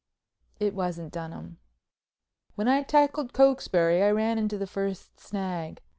It wasn't Dunham. When I tackled Cokesbury I ran into the first snag.